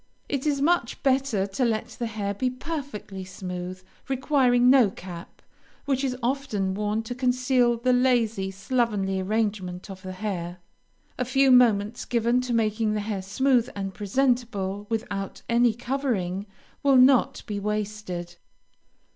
It is much better to let the hair be perfectly smooth, requiring no cap, which is often worn to conceal the lazy, slovenly arrangement of the hair. A few moments given to making the hair smooth and presentable without any covering, will not be wasted.